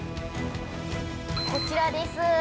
◆こちらです。